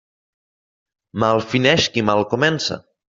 Mal fineix qui mal comença.